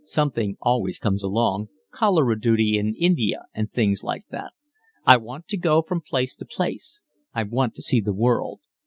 Something always comes along, cholera duty in India and things like that. I want to go from place to place. I want to see the world.